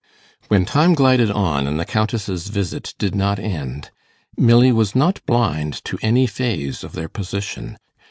When time glided on, and the Countess's visit did not end, Milly was not blind to any phase of their position.